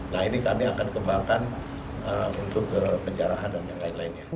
nah ini kami akan kembangkan untuk ke penjarahan dan yang lain lainnya